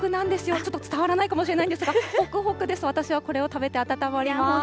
ちょっと伝わらないかもしれないんですが、ほくほくです、私はこれを食べて暖まります。